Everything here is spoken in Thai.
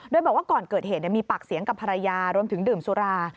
โดยบอกว่าก่อนเกิดเหตุมีปากเสียงกับภรรยารวมถึงดื่มสุรา